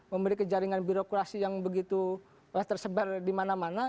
memiliki jaringan birokrasi yang begitu tersebar di mana mana